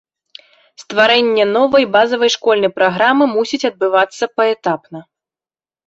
Стварэнне новай базавай школьнай праграмы мусіць адбывацца паэтапна.